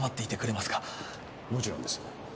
もちろんです。